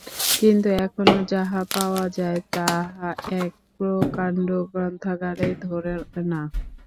কিন্তু এখনও যাহা পাওয়া যায়, তাহাও এক প্রকাণ্ড গ্রন্থাগারে ধরে না।